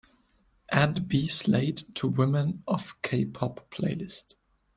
Add BSlade to women of k-pop playlist